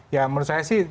ya menurut saya sih